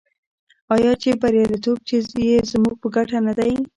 آیا چې بریالیتوب یې زموږ په ګټه نه دی؟